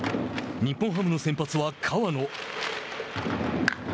日本ハムの先発は河野。